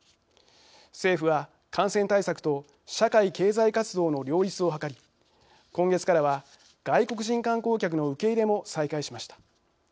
政府は、感染対策と社会経済活動の両立を図り今月からは外国人観光客の受け入れも再開しました。